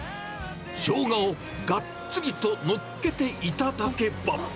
ショウガをがっちりとのっけて頂けば。